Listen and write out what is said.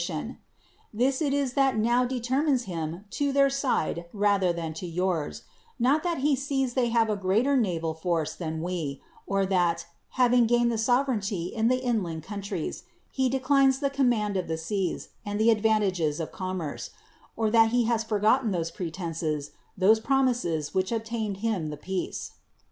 This it is that then determined him, this it is that now determines him to their side rather than to yours : not that he sees they have a greater naval force than we; or that, having gained the sovereignty in the inland countries, he declines the command of the seas and the advantages of commerce ; or that he has forgotten those pretenses, those promises which obtained him the peace.